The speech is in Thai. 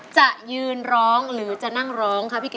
จะยืนร้องหรือจะนั่งร้องค่ะพี่ก๊